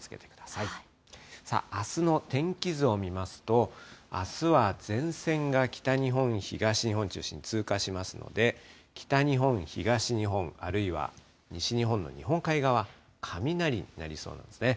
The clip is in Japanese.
さあ、あすの天気図を見ますと、あすは前線が北日本、東日本を中心に通過しますので、北日本、東日本、あるいは西日本の日本海側、雷になりそうなんですね。